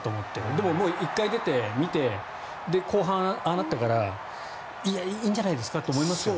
でも１回出て、見て後半、ああなったからいや、いいんじゃないですかって思いますよね。